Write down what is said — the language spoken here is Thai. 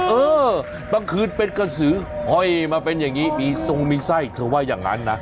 เออบางคืนเป็นกระสือห้อยมาเป็นอย่างนี้มีทรงมีไส้เธอว่าอย่างนั้นนะ